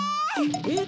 えっ？